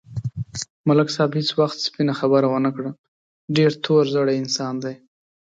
ملک صاحب هېڅ وخت سپینه خبره و نه کړه، ډېر تور زړی انسان دی.